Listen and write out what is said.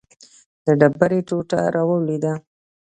د ډبرې ټوټه راولوېده.